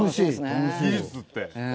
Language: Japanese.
技術って。